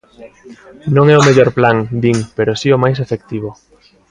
Non é o mellor plan, din, pero si o máis efectivo.